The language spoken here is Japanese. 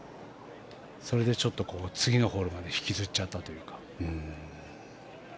それで次のホールまで引きずっちゃったというか。